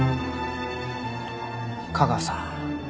架川さん